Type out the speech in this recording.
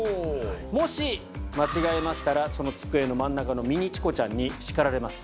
もし間違えましたらその机の真ん中のミニチコちゃんに叱られます。